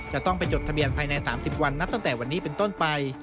จะต้องไปจดทะเบียนภายใน๓๐วันนับตั้งแต่วันนี้เป็นต้นไป